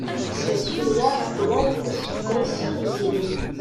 Asensu-a bnan-t aseggas yezrin.